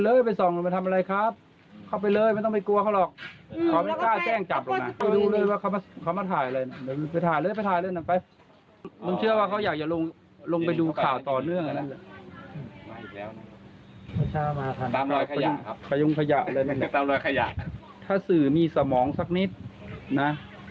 รีบมันมียะผิดนะ